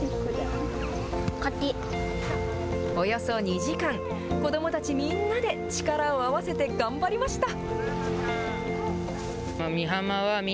およそ２時間、子どもたちみんなで力を合わせて頑張りました。